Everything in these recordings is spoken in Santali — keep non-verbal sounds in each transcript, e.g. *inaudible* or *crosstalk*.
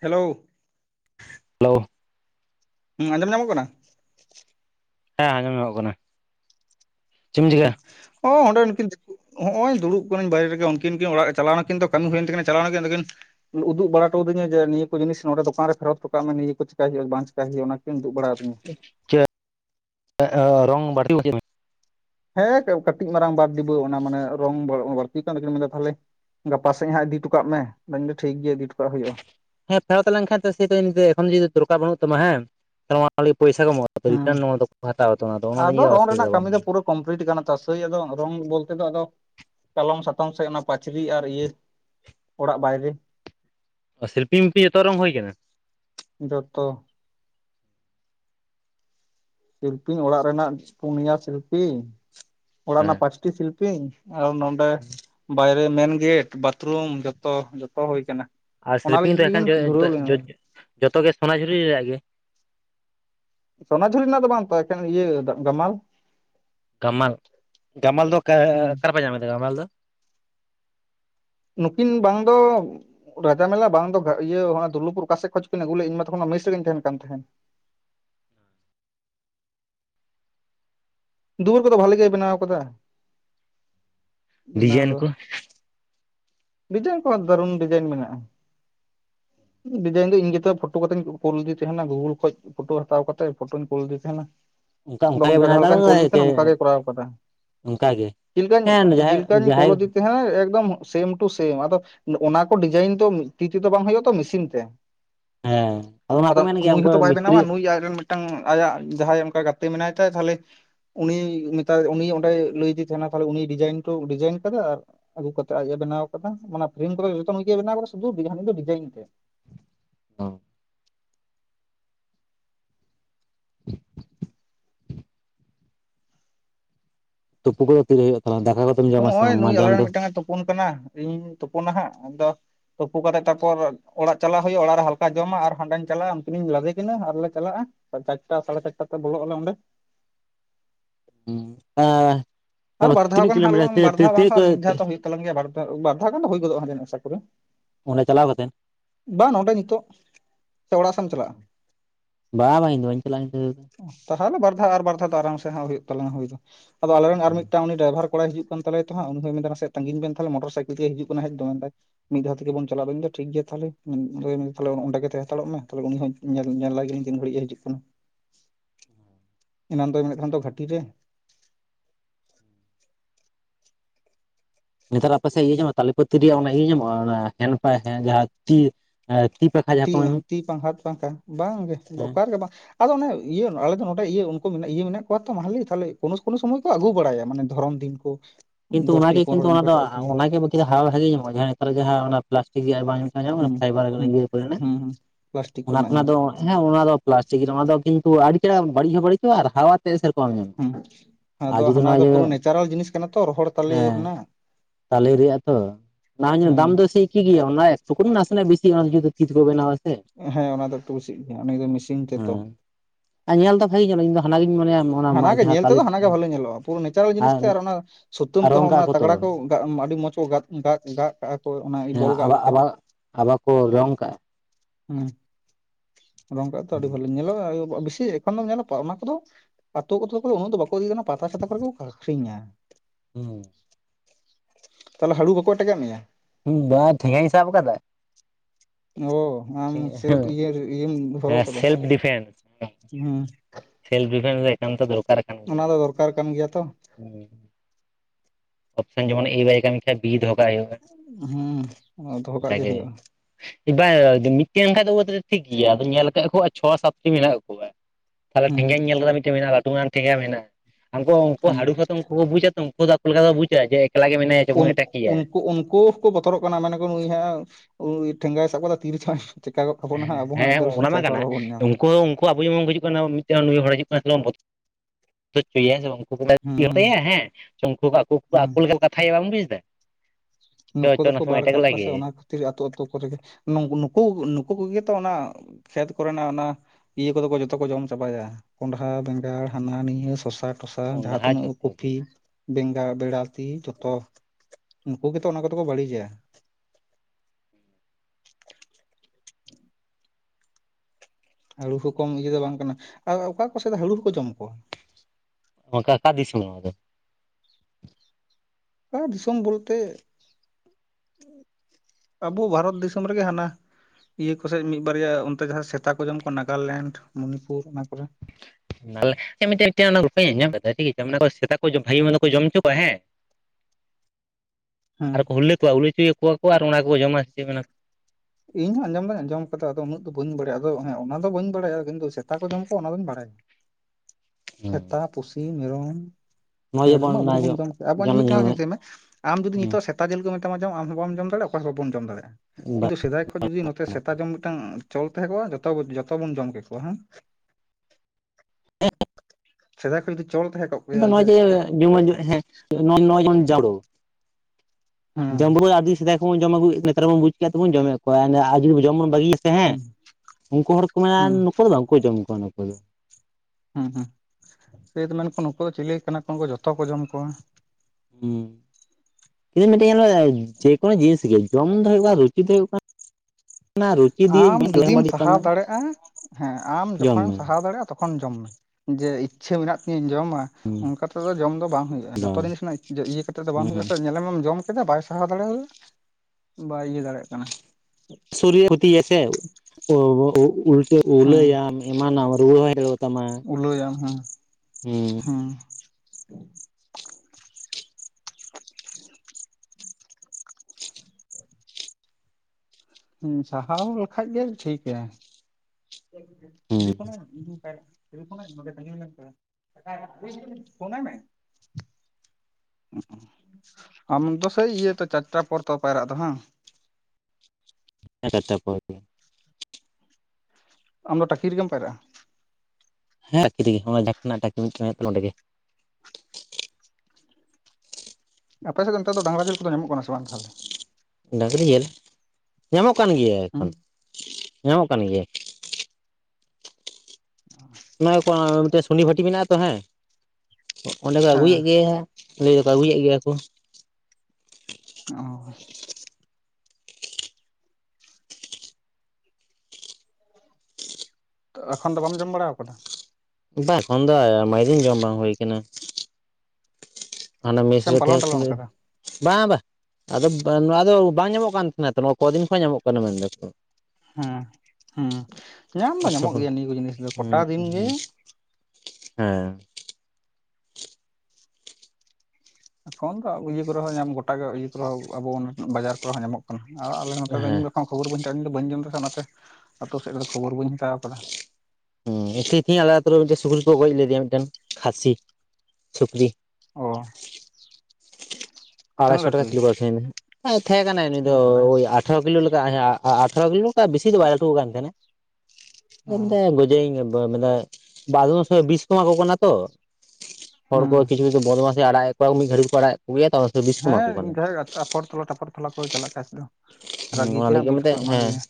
ᱦᱮᱞᱳ ᱦᱮᱞᱳ ᱦᱩᱸ ᱟᱸᱡᱚᱢ ᱧᱟᱢᱚᱜ ᱠᱟᱱᱟ? ᱦᱮᱸ ᱟᱸᱡᱚᱢ ᱧᱟᱢᱚᱜ ᱠᱟᱱᱟ ᱾ ᱚ ᱚᱸᱰᱮ ᱩᱱᱠᱤᱱ *unintelligible* ᱦᱚᱜᱼᱚᱭ ᱫᱩᱲᱩᱵ ᱠᱟᱱᱟᱹᱧ ᱵᱟᱭᱨᱮ ᱨᱮᱜᱮ ᱩᱱᱠᱤᱱ ᱠᱤᱱ ᱚᱲᱟᱜ ᱪᱟᱞᱟᱣ ᱱᱟᱠᱤᱱ ᱛᱚ ᱠᱟᱹᱢᱤ ᱦᱩᱭᱮᱱ ᱛᱟᱹᱠᱤᱱᱟ ᱪᱟᱞᱟᱣ ᱱᱟᱠᱤᱱ ᱟᱫᱚᱠᱤᱱ ᱩᱫᱩᱜ ᱵᱟᱲᱟ ᱦᱚᱴᱚ ᱫᱤᱧᱟ ᱡᱮ ᱱᱤᱭᱟᱹ ᱠᱚ ᱡᱤᱱᱤᱥ ᱱᱚᱸᱰᱮ ᱫᱚᱠᱟᱱ ᱨᱮ ᱯᱷᱮᱨᱚᱛ ᱦᱚᱴᱟ ᱠᱟᱜ ᱢᱮ ᱱᱤᱭᱟᱹ ᱪᱮᱠᱟ ᱦᱩᱭᱩᱜᱼᱟ ᱵᱟᱝ ᱪᱮᱠᱟ ᱦᱩᱭᱩᱜᱼᱟ ᱚᱱᱟ ᱠᱤᱱ ᱫᱩᱜ ᱵᱟᱲᱟ ᱟᱹᱫᱤᱧᱟ ᱪᱮ ᱨᱚᱝ *unintelligible* ᱦᱮᱸ ᱠᱟᱹᱴᱤᱡ ᱢᱟᱨᱟᱝ ᱵᱟᱨ ᱰᱤᱵᱟᱹ ᱚᱱᱟ ᱢᱟᱱᱮ ᱨᱚᱝ ᱵᱟᱹᱲᱛᱤ ᱠᱟᱱᱟ ᱛᱠᱤᱱ ᱢᱮᱱᱫᱟ ᱛᱟᱚᱞᱮ ᱜᱟᱯᱟ ᱥᱮᱫ ᱦᱟᱸᱜ ᱤᱫᱤᱴᱚ ᱠᱟᱜ ᱢᱮ ᱟᱫᱚᱧ ᱫᱟ ᱴᱷᱤᱠ ᱜᱮᱭᱟ ᱤᱫᱤ ᱚᱴᱚᱠᱟᱜ ᱦᱩᱭᱩᱜᱼᱟ ᱦᱮᱸ ᱯᱷᱮᱨᱚᱛ ᱞᱮᱱᱠᱷᱟᱱ ᱛᱚ ᱥᱮᱭ ᱛᱚ ᱮᱢᱱᱤ ᱛᱮ ᱮᱠᱷᱚᱱ ᱡᱩᱤ ᱫᱚᱨᱠᱟᱨ ᱵᱟᱱᱩᱜ ᱛᱟᱢᱟ ᱦᱟᱝᱸ ᱛᱟᱦᱞᱮ ᱚᱱᱟ ᱞᱟᱹᱜᱤᱫ ᱯᱚᱭᱥ ᱠᱚ ᱮᱢᱚᱜᱼᱟ ᱟᱫᱚ ᱦᱩᱸ ᱨᱤᱴᱟᱱ ᱱᱚᱣᱟ ᱫᱚᱠᱚ ᱦᱟᱛᱟᱣ ᱟᱛᱚ ᱚᱱᱟ ᱫᱚ ᱚᱱᱟ ᱟᱫᱚ ᱱᱤᱭᱮ ᱨᱚᱝ ᱨᱮᱱᱟᱜ ᱚᱥᱩᱵᱤᱫᱟ ᱠᱟᱹᱢᱤ ᱵᱟᱹᱱᱩᱜᱼᱟ ᱫᱚ ᱾ ᱯᱩᱨᱟᱹ ᱠᱚᱢᱯᱞᱤᱴ ᱠᱟᱱᱟ ᱛᱚ ᱥᱮᱭ ᱟᱫᱚ ᱨᱚᱝ ᱵᱚᱞᱛᱮ ᱫᱚ ᱟᱫᱚ ᱠᱟᱞᱚᱢ ᱥᱟᱛᱟᱢ ᱥᱮᱫ ᱚᱱᱟ ᱯᱟᱹᱪᱨᱤ ᱟᱨ ᱤᱭᱟᱹ ᱚᱲᱟᱜ ᱵᱟᱭᱨᱮ ᱥᱤᱞᱯᱤᱝ ᱢᱤᱞᱯᱤ ᱡᱚᱛᱚ ᱨᱚᱝ ᱦᱳᱭ ᱠᱟᱱᱟ? ᱡᱚᱛᱚ ᱥᱤᱞᱯᱤᱝ ᱚᱲᱟᱜ ᱨᱮᱱᱟᱜ ᱯᱩᱱᱭᱟ ᱥᱤᱞᱯᱤᱧ ᱚᱲᱟᱜ ᱦᱮᱸ ᱨᱮᱱᱟᱜ ᱯᱟᱸᱪᱴᱤ ᱥᱤ ᱼᱼ ᱯᱤᱝ ᱟᱨ ᱱᱚᱰᱮ ᱵᱟᱭᱨᱮ ᱢᱮᱱ ᱜᱮᱴ ᱵᱟᱛᱷᱨᱩᱢ ᱡᱚᱛᱚ ᱡᱚᱛᱚ ᱦᱳᱭ ᱠᱟᱱᱟ ᱾ ᱟᱨ ᱥᱞᱯᱤᱝ ᱫᱚ ᱮᱠᱷᱮᱱ ᱡᱚ ᱡᱚ ᱡᱚᱛᱚᱜᱮ ᱥᱚᱱᱟᱡᱷᱩᱨᱤ ᱨᱮᱭᱟᱜ ᱜᱮ? ᱥᱚᱱᱟᱡᱷᱩᱨᱤ ᱨᱮᱱᱟᱜ ᱫᱚ ᱵᱟᱝ ᱛᱚ ᱮᱠᱷᱮᱱ ᱤᱭᱟᱹ ᱜᱟᱢᱟᱞ ᱾ ᱜᱢᱟᱞ ᱜᱟᱢᱟᱞ ᱫᱚ ᱚᱠᱟ ᱦᱩᱸ ᱚᱠᱟ ᱨᱮᱯᱮ ᱧᱟᱢ ᱠᱮᱫᱟ ᱜᱢᱟᱞ ᱫᱚ? ᱱᱩᱠᱤᱱ ᱵᱟᱝ ᱫᱚ ᱨᱟᱡᱟ ᱢᱮᱞᱟ ᱵᱟᱝ ᱫᱚ ᱤᱭᱟᱹ ᱚᱱᱟ ᱫᱩᱨᱞᱚᱵᱯᱩᱨ ᱚᱠᱟ ᱥᱮᱫ ᱠᱷᱚᱡ ᱪᱩᱠᱤᱱ ᱟᱹᱜᱩ ᱞᱮᱫ ᱤᱧ ᱢᱟ ᱛᱚᱠᱷᱚᱱ ᱢᱟ ᱢᱮᱥ ᱨᱮᱜᱤᱧ ᱛᱟᱦᱮᱱ ᱠᱟᱱ ᱛᱟᱦᱮᱱ ᱾ ᱫᱩᱣᱟᱹᱨ ᱠᱚᱫᱚ ᱵᱷᱟᱞᱮ ᱜᱮᱭ ᱵᱮᱱᱟᱣ ᱠᱟᱫᱟ ᱵᱮᱱᱟᱣ ᱰᱤᱡᱟᱭᱤᱱ ᱫᱚ ᱠᱚ ᱾ ᱰᱤᱡᱟᱭᱤᱱ ᱠᱚᱦᱚ ᱫᱟᱨᱩᱱ ᱰᱤᱡᱟᱭᱤᱱ ᱢᱮᱱᱟᱜᱼᱟ ᱾ ᱰᱤᱡᱟᱭᱤᱱ ᱫᱚ ᱤᱧ ᱜᱮᱛᱚ ᱯᱷᱳᱴᱳ ᱠᱟᱛᱮᱧ ᱠᱩᱞ ᱞᱮᱫᱮ ᱛᱟᱦᱮᱱᱟ ᱜᱩᱜᱩᱞ ᱠᱷᱚᱡ ᱾ ᱯᱷᱳᱴᱳ ᱦᱟᱛᱟᱣ ᱠᱟᱛᱮ ᱯᱷᱴᱳᱧ ᱠᱩᱞ ᱫᱤ ᱛᱟᱦᱮᱱᱟ ᱾ ᱚᱱᱠᱟ ᱚᱱᱠᱟ ᱜᱮ *unintelligible* ᱠᱳᱞ ᱫᱮ ᱛᱟᱦᱮᱱᱟ ᱚᱱᱠᱟᱜᱮ ᱠᱚᱨᱟᱣ ᱠᱟᱫᱟ ᱚᱱᱠᱟ ᱜᱮ ᱪᱮᱫ ᱞᱮᱠᱟᱧ ᱦᱮᱸ ᱡᱟᱦᱟᱸᱭ ᱪᱮᱫᱞᱮᱠᱟᱧ ᱡᱟᱦᱟᱸᱭ ᱠᱳᱞᱟᱫᱮ *unintelligible* ᱮᱠᱫᱚᱢ ᱥᱮᱢ ᱴᱩ ᱥᱮᱢ ᱟᱫᱚ ᱚᱱᱟ ᱠᱚ ᱰᱤᱡᱟᱭᱤᱱ ᱛᱚ ᱢᱤᱫ ᱛᱤ ᱛᱮᱫᱚ ᱵᱟᱝ ᱦᱳᱭᱳᱜᱼᱟ ᱛᱚ ᱢᱮᱥᱤᱱ ᱛᱮ ᱾ ᱦᱮᱸ ᱚᱱᱟ ᱠᱚ ᱟᱫᱚ ᱢᱮᱱ ᱜᱮᱭᱟ ᱱᱩᱭ ᱩᱱᱠᱩ ᱦᱚᱸᱛᱚ ᱵᱟᱭ ᱢᱤᱥᱛᱨᱤ ᱵᱮᱱᱟᱣᱟ ᱱᱩᱭ ᱟᱡᱨᱮᱱ ᱢᱤᱫᱴᱟᱝ ᱟᱭᱟᱜ ᱡᱟᱦᱟᱸᱭ ᱚᱱᱠᱟ ᱜᱟᱛᱮ ᱢᱮᱱᱟᱭ ᱛᱟᱭ ᱛᱟᱦᱞᱮ ᱩᱱᱤ ᱢᱮᱛᱟᱭ ᱩᱱᱤ ᱚᱸᱰᱮ ᱞᱟᱹᱭᱫᱮ ᱛᱟᱦᱮᱱᱟ ᱛᱟᱦᱞᱮ ᱩᱱᱤ ᱰᱤᱡᱟᱭᱤᱱ ᱠᱚ ᱰᱤᱡᱟᱭᱤᱱ ᱠᱟᱫᱟ ᱟᱨ ᱟᱹᱜᱩ ᱠᱟᱛᱮ ᱟᱡ ᱮ ᱵᱮᱱᱟᱣ ᱠᱟᱫᱟ ᱚᱱᱟ ᱯᱷᱨᱮᱢ ᱠᱚᱫᱚ ᱡᱚᱛᱚ ᱱᱩᱭᱜᱮ ᱵᱮᱱᱟᱣ ᱠᱟᱫᱟ ᱥᱩᱫᱩ ᱦᱟᱹᱱᱤ ᱫᱚ ᱰᱤᱡᱟᱭᱱᱤ ᱛᱮ ᱳ *inaudible* ᱛᱩᱯᱩ ᱠᱚᱫᱚ ᱛᱤ ᱨᱮ ᱦᱩᱭᱩᱜᱼᱟ ᱛᱟᱦᱞᱮ ᱫᱟᱠᱟ ᱠᱚᱫᱚᱢ ᱡᱚᱢᱟ ᱥᱮ ᱱᱚᱜᱼᱚᱭ ᱵᱟᱝ ᱱᱩᱭ ᱢᱟᱸᱡᱟᱱ ᱫᱚ? ᱟᱞᱮᱨᱮᱱ ᱢᱤᱫᱴᱟᱝ ᱮ ᱛᱩᱯᱩᱱ ᱠᱟᱱᱟ ᱤᱧ ᱛᱳᱯᱚᱱᱟ ᱦᱟᱸᱜ ᱟᱫᱚ ᱛᱳᱯᱳ ᱠᱟᱛᱮᱜ ᱛᱟᱨᱯᱚᱨ ᱚᱲᱟᱜ ᱪᱟᱞᱟ ᱦᱩᱭᱩᱜᱼᱟ ᱚᱲᱟᱜ ᱨᱮ ᱦᱟᱞᱠᱟ ᱡᱚᱢᱟ ᱟᱨ ᱦᱟᱸᱰᱮᱧ ᱪᱟᱞᱟᱜᱼᱟ ᱩᱱᱠᱤᱱᱤᱧ ᱞᱟᱫᱮ ᱠᱤᱱᱟᱹ ᱟᱨᱞᱮ ᱪᱟᱞᱟᱜᱼᱟ ᱾ ᱪᱟᱨᱴᱟ ᱥᱟᱲᱮ ᱪᱟᱨᱴᱟ ᱛᱮ ᱵᱚᱞᱚᱜ ᱟᱞ ᱚᱸᱰᱮ ᱟᱨ ᱟᱨ ᱛᱟᱯᱚᱨ ᱵᱟᱨ ᱫᱷᱟᱣ ᱛᱤᱱᱟᱹᱜ ᱜᱟᱱ ᱦᱟᱸᱜ ᱞᱟᱝ ᱠᱤᱞᱳᱢᱤᱴᱟᱨ ᱵᱟᱨ ᱫᱷᱟᱣ ᱵᱟᱝ ᱟᱨ *unintelligible* ᱛᱮ *unintelligible* ᱜᱮᱭᱟ ᱵᱟᱨᱫᱷᱟ ᱵᱟᱨᱫᱷᱟᱣ ᱜᱟᱱ ᱫᱚ ᱦᱩᱭ ᱜᱚᱫᱚᱜᱼᱟ ᱦᱟᱜ ᱡᱟᱱᱤᱡ ᱟᱥᱟ ᱠᱚᱨᱮ ᱾ ᱚᱸᱰᱮ ᱪᱟᱞᱟᱣ ᱠᱟᱛᱮᱱ? ᱵᱟᱝ ᱱᱚᱸᱰᱮ ᱱᱤᱛᱚᱜ ᱥᱮ ᱚᱲᱟᱜ ᱥᱮᱢ ᱪᱟᱞᱟᱜᱼᱟ? ᱵᱟ ᱵᱟ ᱤᱧᱫᱚ ᱵᱟᱹᱧ ᱪᱟᱞᱟᱜ-ᱟ ᱱᱤᱛᱚᱜ ᱨᱮᱫᱚ ᱾ ᱛᱟᱦᱚᱞᱮ ᱵᱟᱨᱫᱷᱟ ᱟᱨ ᱵᱟᱨ ᱫᱷᱟᱣ ᱫᱚ ᱟᱨᱟᱢ ᱥᱮ ᱦᱟᱸᱜ ᱦᱳᱭᱳᱜ ᱛᱟᱞᱝᱟ ᱦᱩᱭ ᱫᱚ ᱟᱫᱚ ᱟᱞᱮ ᱨᱮᱱ ᱟᱨ ᱢᱤᱫ ᱩᱱᱤ ᱰᱟᱭᱵᱷᱟᱨ ᱠᱚᱲᱟᱭ ᱦᱤᱡᱩᱜ ᱠᱟᱱ ᱛᱟᱞᱮ ᱛᱚ ᱩᱱᱤ ᱦᱚᱸᱭ ᱢᱮᱱᱫᱟ ᱱᱟᱥᱮᱭᱟᱜ ᱛᱟᱹᱜᱤᱧ ᱵᱮᱱ ᱛᱟᱦᱞᱮ ᱢᱚᱴᱚᱨ ᱥᱟᱭᱠᱮᱞ ᱛᱮ ᱦᱤᱡᱩᱜ ᱠᱟᱱᱟ ᱦᱮᱡ ᱫᱚ ᱢᱮᱱᱫᱟᱭ ᱢᱤᱫ ᱫᱷᱟᱣ ᱛᱮᱜᱮ ᱵᱚᱱ ᱪᱟᱞᱟᱜ-ᱟ ᱟᱫᱚᱧ ᱢᱮᱱ ᱫᱟ ᱴᱷᱤᱠ ᱜᱮᱭᱟ ᱛᱟᱦᱞᱮ *unintelligible* ᱛᱟᱦᱞᱮ ᱚᱸᱰᱮ ᱜᱮ ᱛᱟᱦᱮᱸ ᱦᱟᱛᱟᱲᱚᱜ ᱢᱮ ᱛᱟᱦᱞᱮ ᱩᱱᱤ ᱦᱚᱸᱧ ᱧᱮᱞ ᱧᱮᱞ ᱞᱟᱜᱟᱭ ᱜᱮᱞᱤᱧ ᱛᱤᱱ ᱜᱷᱟᱹᱲᱤᱡ ᱮ ᱦᱤᱡᱩᱜ ᱠᱟᱱᱟ ᱮᱱᱟᱱ ᱫᱚᱭ ᱢᱮᱱᱮᱫ ᱠᱟᱱ ᱫᱚ ᱜᱷᱟᱹᱴᱤᱨ ᱨᱮ᱾ ᱱᱮᱛᱟᱨ ᱟᱯᱮ ᱥᱮ ᱤᱭᱟᱹ ᱧᱟᱢᱚᱜᱼᱟ ᱛᱟᱞᱮᱯᱟᱹᱛᱤ ᱨᱮᱭᱟᱜ ᱚᱱᱟ ᱤᱭᱟᱹ ᱧᱟᱢᱚᱜᱼᱟ ᱚᱱᱟ ᱦᱮᱱᱰᱯᱟᱭ ᱦᱮ ᱡᱟᱦᱟᱸ ᱛᱤ᱾ ᱛᱤ ᱯᱟᱠᱷᱟ ᱡᱟᱦᱟᱸ ᱠᱚ ᱢᱮᱱ ᱛᱤ ᱯᱟᱝᱠᱷᱟ ᱦᱟᱛ ᱯᱟᱝᱠᱷᱟ ᱵᱟᱝ ᱜᱮ ᱦᱮᱸ ᱚᱠᱟ ᱨᱮ ᱜᱮ ᱵᱟᱝ ᱾ ᱟᱫᱚ ᱚᱱᱮ ᱤᱭᱟᱹ ᱟᱞᱮ ᱫᱚ ᱱᱚᱸᱰᱮ ᱤᱭᱟᱹ ᱩᱱᱠᱩ ᱤᱭᱟᱹ ᱢᱮᱱᱟᱜ ᱠᱚᱣᱟᱜ ᱛᱚ ᱢᱟᱦᱟᱞᱮ ᱛᱟᱦᱞᱮ ᱠᱳᱱᱳ ᱠᱳᱱᱳ ᱥᱚᱢᱚᱭ ᱫᱚ ᱚ ᱟᱹᱜᱩ ᱵᱟᱲᱟᱭᱟ ᱢᱟᱱᱮ ᱫᱷᱚᱨᱚᱢ ᱫᱤᱱ᱾ ᱠᱚ ᱫᱚᱥᱴᱤ ᱯᱚᱱᱨᱚ ᱴᱤ ᱚᱱᱠᱟ ᱠᱚ ᱟᱹᱜᱩᱭᱟ ᱚᱱᱟᱜᱮ ᱦᱟᱣᱟ ᱵᱷᱟᱜᱮ ᱧᱟᱢᱚᱜᱼᱟ ᱡᱟᱦᱟᱸ ᱱᱮᱛᱟᱨ ᱡᱟᱦᱟᱸ ᱚᱱᱟ ᱯᱞᱟᱥᱴᱤᱠ ᱨᱮᱭᱟᱜ ᱵᱟᱝ ᱾ ᱟᱧᱡᱚᱢᱚᱜ ᱠᱟᱱᱟ ᱦᱩᱸ ᱯᱷᱟᱭᱵᱟᱨ ᱦᱩᱸ ᱤᱭᱟᱹ ᱠᱚᱨᱮᱱᱟᱜ ᱦᱩᱸ ᱦᱩᱸ ᱯᱞᱟᱥᱴᱤᱠ ᱚᱱᱟ ᱠᱚᱨᱮᱱᱟᱜ ᱠᱷᱚᱱᱟᱜ ᱡᱮᱢᱚᱱ ᱫᱚ ᱾ ᱦᱮᱸ ᱚᱱᱟ ᱫᱚ ᱯᱞᱟᱥᱴᱤᱠ ᱨᱮ ᱚᱱᱟ ᱫᱚ ᱠᱤᱱᱛᱩ ᱟᱹᱰᱤ ᱪᱮᱦᱨᱟ ᱵᱟᱹᱲᱤᱡ ᱦᱚᱸ ᱵᱟᱹᱲᱤᱡ ᱠᱚᱜᱼᱟ ᱟᱨ ᱦᱟᱣᱟ ᱮᱫ ᱥᱮᱨ ᱠᱚᱢ ᱧᱟᱢᱟ ᱟᱨ ᱡᱩᱫᱤ ᱱᱚᱣᱟ ᱡᱤᱭᱟ. ᱾ ᱪᱟᱨᱟᱞ ᱡᱤᱱᱤᱥ ᱠᱟᱱᱟ ᱛᱚ ᱨᱚᱦᱚᱲ ᱛᱟᱞᱮ ᱨᱮᱱᱟᱜ ᱾ ᱛᱟᱞᱮ ᱨᱮᱭᱟᱜ ᱛᱚ ᱚᱱᱟ ᱫᱟᱢ ᱫᱚ ᱥᱤ ᱾ ᱴᱷᱤᱠ ᱜᱮᱭᱟ ᱚᱱᱟ ᱮᱠᱴᱩᱠᱩ ᱱᱟᱥᱮᱱᱟᱜ ᱵᱤᱥᱤᱟ ᱡᱩᱫᱤ ᱛᱤ ᱛᱮᱠᱚ ᱵᱮᱱᱟᱣ-ᱟ ᱾ ᱦᱮᱸ ᱚᱱᱟ ᱫᱚ ᱮᱠᱴᱩ ᱵᱮᱥᱤᱜ ᱜᱮᱭᱟ ᱩᱱᱤ ᱫᱚ ᱢᱮᱥᱤᱱ ᱦᱮᱸ ᱛᱮᱛᱚ ᱾ ᱟᱨ ᱧᱮᱞ ᱫᱚ ᱵᱷᱟᱹᱜᱤ ᱧᱮᱞᱚᱜ-ᱟ ᱤᱧ ᱫᱚ ᱦᱟᱱᱟᱜᱤᱧ ᱢᱚᱱᱮᱭᱟ ᱾ ᱦᱟᱱᱟ ᱜᱮ ᱧᱮᱞ ᱛᱮᱫᱚ ᱦᱟᱱᱟᱜᱮ ᱵᱷᱟᱞᱮ ᱧᱮᱞᱚᱜᱼᱟ ᱯᱩᱨᱟᱹ ᱱᱮᱪᱟᱨᱮᱞ ᱡᱤᱱᱤᱥᱛᱮ ᱟᱨ ᱚᱱᱟ ᱥᱩᱛᱟᱹᱢ ᱟᱨ ᱨᱚᱝ ᱛᱮᱦᱚᱸ ᱠᱟᱜᱼᱟ ᱛᱚ ᱛᱟᱜᱽᱲᱟ ᱠᱚ ᱜᱟᱜ ᱟᱹᱰᱤ ᱢᱚᱡᱽ ᱠᱚ ᱜᱟᱜ ᱜᱟᱜ ᱠᱟᱜ-ᱟ ᱠᱚ ᱚᱱᱟ ᱦᱮᱸ ᱵᱚᱞ ᱜᱟᱜ ᱟᱵᱟ ᱞᱮᱠᱟ ᱾ ᱟᱵᱟ ᱟᱵᱟ ᱠᱚ ᱨᱚᱝ ᱠᱟᱜᱼᱟ ᱦᱮᱸ ᱨᱚᱝᱜᱟ ᱛᱚ ᱟᱹᱰᱤ ᱵᱷᱚᱞᱮ ᱧᱮᱞᱚ ᱵᱤᱥᱤ ᱾ ᱛᱠᱷᱚᱱ ᱫᱚ ᱧᱮᱞᱟ ᱚᱱᱟ ᱠᱚᱫᱚ ᱟᱛᱳ ᱠᱚᱫᱚ ᱛᱚ ᱩᱱᱟᱹᱜ ᱫᱚ ᱵᱟᱠᱚ ᱤᱫᱤᱭ ᱫᱟ ᱱᱟ ᱯᱟᱛᱟ ᱪᱷᱟᱛᱟ ᱠᱚᱨᱮ ᱠᱚ ᱟᱠᱷᱨᱤᱧᱟ ᱾ ᱛᱟᱦᱚᱞᱮ ᱦᱟᱲᱩ ᱠᱚᱠᱚ ᱟᱴᱮᱠᱮᱜ ᱢᱮᱭᱟ ᱾ ᱦᱚᱸ ᱵᱟᱝ ᱴᱷᱮᱜᱟᱧ ᱥᱟᱵ ᱟᱠᱟᱫᱟ ᱾ ᱚ ᱫᱚᱦᱚ ᱦᱮᱸ ᱠᱟᱫᱟ ᱥᱮᱞᱯ ᱰᱤᱯᱷᱮᱱᱥ ᱦᱮᱸ *inaudible* ᱚᱱᱟ ᱫᱚ ᱫᱚᱨᱠᱟᱨ ᱠᱟᱱ ᱜᱮᱭᱟ ᱛᱚ ᱾ ᱚᱯᱥᱮᱱ ᱡᱮᱢᱚᱱ ᱮ ᱵᱟᱭ ᱠᱟᱹᱢᱤ ᱾ ᱟᱪᱪᱷᱟ ᱵᱤᱫ ᱫᱚᱦᱚ ᱠᱟᱜ ᱦᱩᱭᱩᱜᱼᱟ ᱦᱩᱸ ᱫᱚᱦᱚ ᱠᱟᱜ ᱚᱱᱠᱟ ᱜᱮ ᱦᱩᱭᱩᱜᱼᱟ ᱾ ᱵᱟᱝ ᱢᱤᱫᱴᱮᱱ ᱠᱷᱟᱡ ᱫᱚ ᱴᱷᱤᱠ ᱜᱮᱭᱟ ᱟᱫᱚ ᱧᱮᱞ ᱠᱟᱜ ᱟᱠᱚ ᱟᱨ ᱪᱷᱚ ᱥᱟᱛᱴᱤ ᱢᱮᱱᱟᱜ ᱠᱚᱣᱟ ᱾ ᱛᱟᱦᱚᱞᱮ ᱦᱩᱸ ᱴᱷᱮᱸᱜᱟᱧ ᱧᱮᱞ ᱞᱮᱫᱟ ᱢᱤᱫᱴᱮᱱ ᱢᱮᱱᱟᱜᱼᱟ ᱞᱟᱹᱴᱩᱟᱱ ᱴᱷᱮᱸᱜᱟ ᱢᱮᱱᱟᱜᱼᱟ ᱩᱱᱠᱩ ᱩᱱᱠᱩ ᱦᱩᱸ ᱦᱟᱹᱲᱩ ᱾ ᱩᱱᱠᱩ ᱠᱚ ᱵᱩᱡᱟ ᱛᱚ ᱩᱱᱠᱩ ᱫᱚ ᱚᱠᱚ ᱞᱮᱠᱟ ᱵᱩᱡᱟ ᱡᱮ ᱮᱠᱞᱟ ᱜᱮ ᱢᱮᱱᱟᱭᱟ ᱾ ᱩᱱ ᱩᱱᱠᱩ ᱩᱱᱠᱩ ᱦᱚᱸ ᱠᱚ ᱵᱚᱛᱚᱨᱚᱜ ᱠᱟᱱᱟ ᱢᱮᱱᱟ ᱠᱚ ᱱᱩᱭ ᱦᱟᱸᱜ ᱴᱷᱮᱸᱜᱟᱭ ᱥᱟᱵ ᱠᱟᱫᱟᱭ ᱛᱤ ᱨᱮ ᱪᱚᱭ ᱾ ᱦᱮᱸ ᱦᱮᱸ ᱚᱱᱟ ᱢᱟ ᱠᱟᱱᱟ ᱧᱟᱢᱟ ᱩᱱᱠᱩ ᱦᱚᱸ ᱩᱱᱠᱩ ᱟᱵᱩᱡᱮᱢᱚᱱ ᱠᱚ ᱦᱤᱡᱩᱜ ᱠᱟᱱᱟ ᱢᱤᱫᱴᱮᱱ ᱱᱩᱭ ᱦᱚᱲᱮ ᱦᱤᱡᱩᱜ ᱠᱟᱱᱟ ᱥᱮ ᱵᱚᱱ ᱵᱚᱛ ᱪᱚᱭᱟ ᱩᱱᱠᱩ ᱠᱚ ᱦᱩᱸ ᱦᱩᱸ ᱪᱚᱭᱟ ᱦᱮᱸ ᱩᱱᱠᱩ ᱟᱠ ᱟᱠᱚᱠᱚ ᱠᱟᱛᱷᱟ ᱵᱟᱢ ᱵᱩᱡ ᱮᱫᱟ ᱾ ᱦᱩᱸ ᱱᱩᱠᱩ ᱪᱚ ᱚᱱᱟ ᱫᱚᱠᱚ ᱥᱚᱢᱚᱭ ᱵᱟᱲ ᱮᱴᱟᱠ ᱠᱟᱜ ᱞᱮᱠᱟ ᱠᱚᱣᱟ ᱥᱮ ᱜᱮ ᱚᱱᱟ ᱾ ᱟᱹᱛᱩ ᱟᱹᱛᱩ ᱠᱚᱨᱮ ᱱᱩᱠᱩ ᱱᱩᱠᱩ ᱠᱚᱜᱮᱛᱚ ᱚᱱᱟ ᱠᱷᱮᱛ ᱠᱚᱨᱮᱱᱟᱜ ᱚᱱᱟ ᱾ ᱤᱭᱟᱹ ᱠᱚᱫᱚ ᱠᱚ ᱡᱚᱛᱚ ᱠᱚ ᱡᱚᱢ ᱪᱟᱵᱟᱭᱟ ᱠᱚᱸᱰᱷᱟ ᱵᱮᱸᱜᱟᱲ ᱦᱟᱱᱟ ᱱᱤᱭᱟᱹ ᱥᱚᱥᱟᱠᱚ ᱾ ᱴᱚᱥᱟ ᱡᱟᱦᱟᱸ ᱠᱚᱸᱰᱷᱟ ᱛᱤᱱᱟᱹᱜ ᱡᱚᱛᱚ ᱜᱮ ᱠᱚᱯᱤ ᱵᱮᱸᱜᱟᱲ ᱵᱮᱲᱟᱛᱤ ᱡᱚᱛᱚ ᱾ ᱩᱱᱠᱩ ᱥᱮᱛᱟ ᱚᱱᱟ ᱠᱚᱫᱚ ᱠᱚ ᱵᱟᱹᱲᱤᱡᱟ ᱾ ᱦᱟᱸᱲᱩ ᱦᱚᱸ ᱠᱚᱢ ᱤᱭᱟᱹ ᱫᱚ ᱵᱟᱝ ᱠᱟᱱᱟ ᱟᱨ ᱚᱠᱟ ᱠᱚ ᱥᱮᱫ ᱫᱚ ᱦᱟᱹᱲᱩ ᱦᱚᱸᱠᱚ ᱡᱚᱢ ᱠᱚᱣᱟ ᱾ ᱠᱟ ᱠᱟ ᱫᱤᱥᱚᱢ ᱱᱚᱣᱟ ᱫᱚ ᱾ ᱚᱠᱟ ᱫᱤᱥᱚᱢ ᱵᱚᱞᱛᱮ ᱾ ᱟᱵᱚ ᱵᱷᱟᱨᱚᱛ ᱫᱤᱥᱚᱢ ᱨᱮᱜᱮ ᱦᱟᱱᱟ ᱾ ᱤᱭᱟᱹ ᱠᱚᱥᱮᱫ ᱢᱤᱫ ᱵᱟᱨᱭᱟ ᱚᱱᱛᱮ ᱡᱟᱦᱟᱸ ᱥᱮᱛᱟ ᱠᱚ ᱡᱚᱢ ᱠᱚᱣᱟ ᱱᱟᱜᱟᱞᱮᱱᱰ ᱢᱚᱱᱤᱯᱩᱨ ᱚᱱᱟ ᱠᱚᱨᱮ ᱾ ᱢᱤᱫᱴᱮᱱ ᱢᱤᱫᱴᱮᱱ ᱨᱩᱯᱟᱹᱧ ᱟᱸᱡᱚᱢ ᱠᱟᱫᱟ ᱴᱷᱤᱠ ᱟᱪᱷᱮ ᱚᱱᱟ ᱫᱚ ᱥᱮᱛᱟ ᱠᱚ ᱵᱷᱟᱹᱜᱤ ᱢᱚᱱ ᱫᱚ ᱠᱚ ᱡᱚᱢ ᱦᱚᱪᱚ ᱠᱚᱣᱟ ᱦᱮᱸ ᱾ ᱦᱮᱸ ᱟᱨ ᱠᱚ ᱦᱩᱞᱟᱹ ᱠᱚᱣᱟ ᱟᱨ ᱩᱞᱟᱹ ᱚᱪᱚᱭᱟ ᱠᱚ ᱟᱨ ᱚᱱᱟ ᱠᱚ ᱡᱚᱢᱟ ᱥᱮᱪᱮᱫ ᱢᱮᱱᱟ ᱠᱚ ᱾ ᱤᱧ ᱦᱚᱸᱧ ᱟᱸᱡᱚᱢ ᱫᱚᱧ ᱟᱸᱡᱚᱢ ᱠᱟᱫᱟ ᱟᱫᱚ ᱩᱱᱟᱹᱜ ᱫᱚ ᱵᱟᱹᱧ ᱵᱟᱲᱟᱭᱟ ᱟᱫᱚ ᱚᱱᱟᱫᱚ ᱵᱟᱹᱧ ᱵᱟᱲᱟᱭᱟ ᱠᱤᱱᱛᱩ ᱥᱮᱛᱟ ᱠᱚ ᱡᱚᱢ ᱠᱚᱣᱟ ᱚᱱᱟᱫᱚᱧ ᱵᱟᱲᱟᱭᱟ ᱾ ᱥᱮᱛᱟ ᱯᱩᱥᱤ ᱢᱮᱨᱚᱢ ᱱᱚᱜᱼᱚᱭ ᱢᱮᱨᱚᱢ ᱢᱟ ᱡᱮᱢᱚᱱ ᱟᱵᱩ ᱚᱱᱟ ᱡᱚ ᱦᱚᱸᱵᱚᱱ ᱡᱚᱢ ᱠᱮᱫ ᱟᱵᱚ ᱡᱚᱱ ᱧᱮᱞ ᱢᱤᱫᱴᱮᱱ ᱪᱤᱱᱛᱟᱹᱭ ᱢᱮ ᱟᱢ ᱡᱩᱫᱤ ᱦᱮᱸ ᱱᱤᱛᱚᱜ ᱥᱮᱛ ᱼ ᱥᱮᱛᱟ ᱡᱤᱞ ᱠᱚ ᱢᱮᱛᱟᱢᱟ ᱡᱚᱢ ᱟᱢ ᱦᱚᱸ ᱵᱟᱢ ᱡᱚᱢ ᱫᱟᱲᱮᱭᱟᱜ-ᱟ ᱚᱠᱚᱭ ᱦᱚᱸ ᱵᱟᱠᱚ ᱡᱚᱢᱫᱟᱲᱮᱭᱟᱜᱼᱟ᱾ *inaudible* ᱥᱮᱫᱟᱭ ᱠᱷᱚᱱ ᱡᱩᱫᱤ ᱱᱚᱛᱮ ᱥᱮᱛᱟ ᱡᱚᱢ ᱢᱤᱫᱴᱟᱝ ᱪᱚᱞ ᱛᱟᱦᱮᱸ ᱠᱚᱜᱼᱟ ᱡᱚᱛᱚᱵᱚ ᱡᱚᱛᱚᱵᱚᱱ ᱡᱚᱢ ᱠᱮ ᱠᱚᱣᱟ ᱦᱟᱸ, ᱥᱮᱫᱟᱭ ᱠᱷᱚᱱ ᱡᱩᱫᱤ ᱪᱚᱞ ᱛᱟᱦᱮᱸᱠᱚᱜ ᱱᱚᱜ-ᱚᱭ ᱡᱮ ᱡᱚᱢᱟ ᱦᱮᱸ ᱱᱚᱜ-ᱚᱭ ᱡᱮ ᱡᱮᱢᱚᱱ ᱡᱟᱢᱲᱩ ᱦᱮᱸ ᱡᱟᱢᱵᱲᱩ ᱟᱹᱰᱤ ᱥᱮᱫᱟᱭ ᱠᱷᱚᱱ ᱵᱚᱱ ᱡᱚᱢ ᱟᱹᱜᱩᱭᱮᱫ ᱱᱮᱛᱟᱨ ᱵᱚᱱ ᱵᱩᱡᱽ ᱠᱮᱫ ᱛᱮᱵᱚᱱ ᱡᱚᱢᱮᱫ ᱠᱚᱣᱟ ᱟᱨ ᱡᱩᱫᱤᱵᱚᱱ ᱡᱚᱢ ᱵᱚᱱ ᱵᱟᱹᱜᱤ ᱥᱮ ᱦᱮᱸ ᱩᱱᱠᱩ ᱦᱚᱲ ᱠᱚ ᱢᱮᱱᱟ ᱦᱮᱸ ᱱᱩᱠᱩ ᱫᱚ ᱵᱟᱝᱠᱚ ᱡᱚᱢ ᱠᱚᱣᱟ ᱱᱩᱠᱩ ᱫᱚ ᱦᱩᱸ ᱦᱩᱸ ᱯᱮᱫᱢᱮᱱ ᱱᱩᱠᱩ ᱫᱚ ᱪᱤᱞᱤ ᱠᱟᱱᱟ ᱠᱚ ᱩᱱᱠᱩ ᱡᱚᱛᱚ ᱠᱚ ᱡᱚᱢ ᱠᱚᱣᱟ ᱦᱩᱸ ᱢᱤᱫᱴᱮᱱ ᱧᱮᱞᱚᱜ-ᱟ ᱡᱮᱠᱳᱱᱳ ᱡᱤᱱᱤᱥ ᱜᱮ ᱡᱚᱢ ᱫᱚ ᱦᱩᱭᱩᱜ ᱠᱟᱱᱟ ᱨᱩᱪᱤ ᱫᱚ ᱦᱩᱭᱩᱜ ᱠᱟᱱᱟ ᱨᱩᱪᱤ *inaudible* ᱫᱤᱭᱮ ᱟᱢ ᱞᱮᱢ ᱡᱩᱫᱤᱢ ᱵᱟᱹᱲᱤᱡ ᱥᱟᱦᱟᱣ ᱛᱟᱢᱟ ᱫᱟᱲᱮᱭᱟᱜᱼᱟ ᱦᱮᱸ ᱟᱢ ᱡᱚᱢ ᱡᱚᱠᱷᱚᱱᱮᱢ ᱢᱮ ᱥᱟᱦᱟᱣ ᱫᱟᱲᱮᱭᱟᱜᱼᱟ ᱛᱚᱠᱷᱚ ᱠᱷᱚᱱ ᱡᱚᱢ ᱢᱮ ᱡᱮ ᱤᱪᱪᱷᱟᱹ ᱢᱮᱱᱟᱜ ᱛᱤᱧᱟᱹ ᱡᱚᱢᱟ ᱦᱩᱸ ᱚᱱᱠᱟ ᱛᱮᱫᱚ ᱡᱚᱢ ᱫᱚ ᱵᱟᱝ ᱦᱩᱭᱩᱜᱼᱟ ᱡᱚᱛᱚ ᱵᱟᱝ ᱡᱤᱱᱤᱥ ᱨᱮᱱᱟᱜ ᱤᱭᱟᱹ ᱠᱟᱛᱮ ᱫᱚ ᱵᱟᱝ ᱦᱩᱸ ᱦᱩᱭᱩᱜᱼᱟ ᱥᱮ ᱧᱮᱞᱮᱢᱮ ᱡᱚᱢ ᱪᱟᱜ ᱵᱟᱭ ᱥᱟᱦᱟᱣ ᱫᱟᱲᱮᱟᱭᱟ ᱵᱟᱭ ᱤᱭᱟᱹ ᱫᱟᱲᱮᱭᱟᱜ ᱠᱟᱱᱟ ᱥᱚᱨᱤᱨ ᱨᱮ ᱠᱷᱚᱛᱤ ᱟᱥᱮ ᱦᱮᱸ ᱩᱞᱴᱟᱹᱩᱞᱟᱹᱭᱟᱢ ᱮᱢᱟᱱᱟᱢ ᱨᱩᱣᱟᱹ ᱦᱚᱸᱭ ᱨᱩᱣᱟᱹ ᱦᱚᱸ ᱦᱮᱡ ᱫᱟᱲᱮᱭᱟᱜᱼᱟ ᱩᱞᱟᱹᱭᱟᱢ ᱦᱩᱸ ᱦᱩᱸ ᱦᱮᱸ ᱥᱟᱦᱟᱣ ᱞᱮᱠᱷᱟᱡ ᱜᱮ ᱴᱷᱤᱠᱟ ᱦᱩᱸ *inaudible* ᱯᱷᱳᱱᱟᱭ ᱢᱮ ᱟᱢ ᱫᱚ ᱥᱟᱹᱭ ᱤᱭᱟᱹᱛᱚ ᱪᱟᱨᱴᱟᱜ ᱯᱚᱨ ᱛᱚ ᱯᱟᱭᱨᱟᱜ ᱫᱚ ᱦᱟᱝ ᱦᱮᱸ ᱪᱟᱨᱴᱟᱨ ᱯᱚᱨ ᱜᱮ ᱟᱢᱫᱚ ᱴᱟᱹᱠᱤ ᱨᱮᱜᱮᱢ ᱯᱟᱭᱨᱟᱜ-ᱟ ᱦᱮᱸ ᱴᱟᱹᱠᱤᱨᱮᱜᱮ ᱦᱚᱸᱦᱚᱭ ᱡᱟᱦᱟ ᱨᱮᱱᱟᱜ ᱴᱟᱹᱠᱤᱨᱮᱜᱮ ᱢᱮᱱᱟ ᱛᱟᱞᱮ ᱚᱸᱰᱮ ᱜᱮ ᱟᱯᱮ ᱥᱮᱫ ᱫᱚ ᱱᱮᱛᱟᱨ ᱫᱚ ᱰᱟᱝᱨᱟ ᱡᱤᱞ ᱠᱚᱫᱚ ᱧᱟᱢᱚᱜ ᱠᱟᱱᱟ ᱥᱮ ᱵᱟᱝ ᱛᱟᱦᱚᱞᱮ? ᱰᱟᱺᱜᱨᱤ ᱡᱤᱞ ᱧᱟᱢᱚᱜ ᱠᱟᱱ ᱜᱮᱭᱟ ᱮᱠᱷᱚᱱ ᱧᱟᱢᱚᱜ ᱠᱟᱱ ᱜᱮᱭᱟ ᱱᱚᱜᱼᱚᱭ ᱛᱚ ᱢᱤᱫᱴᱮᱱ ᱥᱩᱱᱤ ᱵᱷᱟᱹᱴᱤ ᱢᱮᱱᱟᱜ-ᱟ ᱛᱚ ᱦᱮᱸ ᱚᱸᱰᱮ ᱠᱚ ᱦᱮᱸ ᱟᱹᱜᱩᱭᱮᱫ ᱜᱮᱭᱟ ᱦᱟᱸᱜ ᱞᱟᱹᱭ ᱫᱟᱠᱚ ᱟᱹᱜᱩᱭᱮᱫ ᱜᱮᱭᱟ ᱠᱚ ᱚ ᱮᱠᱷᱚᱱ ᱫᱚ ᱵᱟᱢ ᱡᱚᱢ ᱵᱟᱲᱟᱣ ᱠᱟᱫᱟ ᱵᱟᱝ ᱮᱠᱷᱚᱱ ᱫᱚ ᱟᱭᱢᱟ ᱫᱤᱱ ᱡᱚᱢ ᱵᱟᱝ ᱦᱩᱭ ᱟᱠᱟᱱᱟ ᱦᱟᱱᱟ ᱥᱮᱢ ᱢᱮᱤᱥᱨᱟ ᱯᱟᱞᱚᱱ ᱴᱟᱞᱚᱱ ᱛᱟᱦᱮᱸ ᱠᱟᱫᱟ *unintelligible* ᱵᱟᱝ ᱵᱟᱝ ᱟᱫᱚ ᱱᱚᱣᱟ ᱫᱚ ᱵᱟᱝ ᱧᱟᱢᱚᱜ ᱠᱟᱱ ᱛᱟᱦᱮᱱᱟ ᱛᱚ ᱠᱚᱫᱤᱱ ᱠᱷᱚᱱ ᱧᱟᱢᱚᱜ ᱠᱟᱱᱟ ᱢᱮᱱᱫᱟᱠᱚ ᱦᱮᱸ ᱦᱮᱸ ᱧᱟᱢ ᱫᱚ ᱦᱩᱸ ᱧᱟᱢᱚᱜ ᱜᱮᱭᱟ ᱱᱤᱭᱟᱹ ᱠᱚ ᱡᱤᱱᱤᱥ ᱫᱚ ᱠᱚᱴᱟ ᱦᱮᱸ ᱫᱤᱱ ᱜᱮ ᱦᱮᱸ ᱮᱠᱷᱚᱱ ᱫᱚ ᱤᱭᱟᱹ ᱠᱚᱨᱮ ᱦᱚᱸ ᱧᱟᱢ ᱜᱚᱴᱟᱟᱜ ᱜᱮ ᱤᱭᱟᱹ ᱠᱚᱨᱮᱚᱸ ᱟᱵᱚ ᱵᱟᱡᱟᱨ ᱠᱚᱨᱮ ᱦᱚᱸ ᱧᱟᱢᱚᱜ ᱟᱨ ᱟᱞᱮ ᱱᱚᱛᱮ ᱫᱚ ᱦᱮᱸ ᱤᱧ ᱡᱚᱠᱷᱚᱱ ᱠᱷᱚᱵᱚᱨ ᱵᱟᱹᱧ ᱦᱟᱛᱟᱣᱼᱟ ᱤᱧ ᱫᱚ ᱵᱟᱹᱧ ᱡᱚᱢ ᱫᱟᱥᱮ ᱚᱱᱟᱛᱮ ᱟᱹᱛᱩᱳ ᱥᱮᱫ ᱫᱚ ᱠᱷᱚᱵᱚᱨ ᱵᱟᱹᱧ ᱦᱟᱛᱟᱣ ᱟᱠᱟᱫᱟ ᱦᱮᱸ ᱛᱤᱦᱤ ᱟᱞᱮ ᱟᱛᱩ ᱨᱮ ᱢᱤᱫᱴᱮᱱ ᱥᱩᱠᱨᱤ ᱠᱚ ᱜᱚᱡ ᱞᱮᱫᱮᱭᱟ ᱢᱤᱫᱴᱮᱱ ᱠᱷᱟᱹᱥᱤ ᱥᱩᱠᱨᱤ ᱚ ᱛᱤᱱᱟᱹᱜ ᱟᱲᱟᱭᱥᱚ ᱴᱟᱠᱟ ᱠᱤᱞᱩ ᱞᱟᱹᱴᱩᱭᱤᱡ ᱠᱚ ᱟᱹᱠᱷᱨᱤᱧ ᱫᱟ ᱛᱟᱦᱮᱸ ᱠᱟᱱᱟ ᱩᱱᱤᱩᱭ ᱚ ᱫᱚ ᱳᱭ ᱟᱲᱟᱭᱥᱚ ᱛᱟᱦᱮ ᱠᱟᱱᱟᱭ ᱟᱴᱷᱚᱨᱳ ᱠᱤᱞᱳ ᱞᱮᱠᱟ ᱟᱴᱷᱨᱚ ᱠᱤᱞᱳ ᱞᱮᱠᱟ ᱵᱮᱥᱤ ᱫᱚ ᱵᱟᱭ ᱞᱟᱹᱴᱩᱣᱟ ᱟᱠᱟᱱ ᱛᱟᱦᱮᱸᱱᱟ ᱤᱧ ᱚ ᱢᱮᱱ ᱮᱫᱟ *unintelligible* ᱵᱤᱥ ᱠᱚ ᱮᱢᱟ ᱠᱚ ᱠᱟᱱᱟ ᱛᱚ ᱦᱚᱲ ᱦᱩᱸ ᱠᱚ ᱠᱤᱪᱷᱩ ᱵᱚᱫ ᱢᱟᱥᱮ ᱟᱲᱟᱜ ᱠᱩᱣᱟᱠᱚ ᱢᱤᱫ ᱜᱷᱟᱹᱲᱤ ᱫᱚᱠᱚ ᱟᱲᱟᱜ ᱮᱫᱠᱩᱜᱮᱭᱟ ᱛᱚ ᱵᱤᱥ ᱠᱚ ᱮᱢᱟ ᱠᱚ ᱦᱮᱸ ᱠᱟᱱᱟ ᱟᱯᱷᱚᱨ ᱛᱚᱞᱟ ᱴᱟᱯᱷᱚᱨ ᱛᱚᱞᱟ ᱠᱚ ᱪᱟᱞᱟᱜᱼᱟ ᱠᱟᱡ ᱫᱚ ᱦᱮᱸ ᱨᱟᱹᱜᱤ ᱛᱮ ᱚᱱᱟ ᱦᱟᱸᱜ ᱞᱟᱹᱜᱤᱫ ᱵᱤᱥ ᱢᱮᱛᱟ ᱠᱚ ᱮᱢᱟ ᱦᱮᱸ ᱫᱤᱧᱟ